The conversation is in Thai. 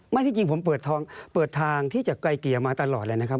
ที่จริงผมเปิดทางที่จะไกลเกลี่ยมาตลอดเลยนะครับ